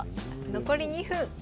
残り２分。